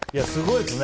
すごいですね。